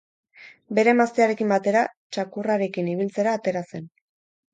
Bere emaztearekin batera txakurrarekin ibiltzera atera zen.